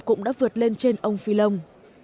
cũng đã vượt lên trên ông phi long